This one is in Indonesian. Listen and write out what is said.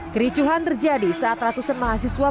kericuhan terjadi saat ratusan mahasiswa